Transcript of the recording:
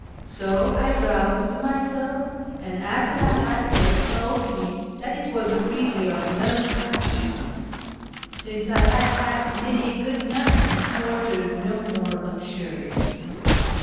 So 1 roused myself, and, as well as I could, told him that it \vas really of uo consequence, since I had passed many a good night in quarters uo more luxurious.